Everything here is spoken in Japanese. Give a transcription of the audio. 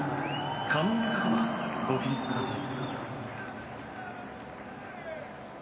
可能な方は、ご起立ください。